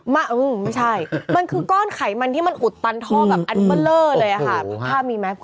ไม่ใช่มันคือก้อนไขมันที่มันอุดตันท่อแบบอันเบอร์เลอร์เลยค่ะภาพมีไหม